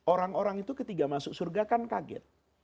orang orang itu ketika masuk surga kan kaget